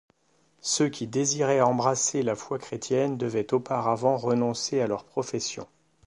Ceux qui désiraient embrasser la foi chrétienne devaient auparavant renoncer à leur profession.